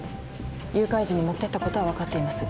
誘拐時に持ってったことは分かっています